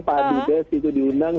pak dugas itu diundang